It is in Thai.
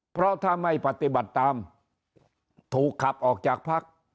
เพราะถ้าไม่ปฏิบัติตามถูกขับออกจากพัก